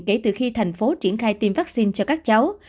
kể từ khi thành phố triển khai tiêm vaccine cho các cháu